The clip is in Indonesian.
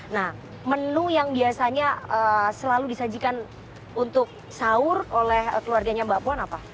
nah menu yang biasanya selalu disajikan untuk sahur oleh keluarganya mbak puan apa